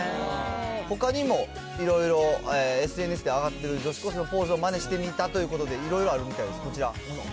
ほかにもいろいろ、ＳＮＳで上がってる女子高生のポーズをまねしてみたということで、いろいろあるみたいです、こちら。